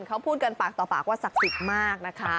เขาพูดกันปากต่อปากว่าศักดิ์สิทธิ์มากนะคะ